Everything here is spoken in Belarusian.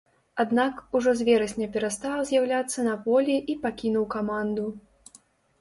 Аднак, ужо з верасня перастаў з'яўляцца на полі і пакінуў каманду.